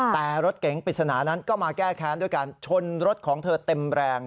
แต่รถเก๋งปริศนานั้นก็มาแก้แค้นด้วยการชนรถของเธอเต็มแรง